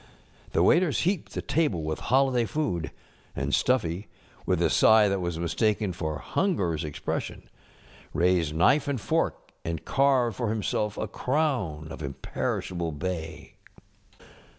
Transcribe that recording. The waiters heaped the table with holiday food ŌĆö and Stuffy, with a sigh that was mis┬¼ taken for hungerŌĆÖs expression, raised knife and fork and carved for himself a crown of imperishable bay.